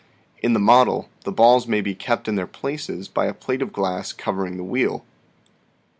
In the model, the balls may be kept in their places by a plate of glass covering the wheel."